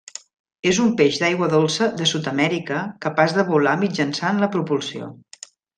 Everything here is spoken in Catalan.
És un peix d'aigua dolça de Sud-amèrica capaç de volar mitjançant la propulsió.